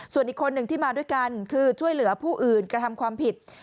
ส่วนอีกคนหนึ่งที่มาด้วยกันคือช่วยเหลือผู้อื่นกระทำความผิด